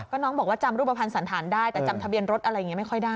ก็น้องบอกว่าจำรูปภัณฑ์สันธารได้แต่จำทะเบียนรถอะไรอย่างนี้ไม่ค่อยได้